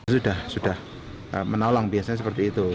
sudah sudah menolong biasanya seperti itu